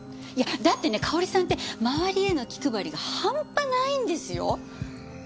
いやだってね香織さんって周りへの気配りが半端ないんですよ？